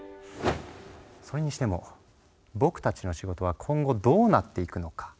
それにしても僕たちの仕事は今後どうなっていくのか？